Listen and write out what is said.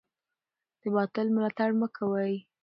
د باطل ملاتړ مه کوئ.